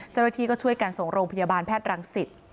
เจ้าหน้าที่ก็ช่วยกันส่งโรงพยาบาลแพทย์รังสิต